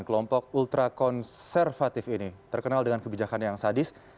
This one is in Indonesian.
kelompok ultra konservatif ini terkenal dengan kebijakan yang sadis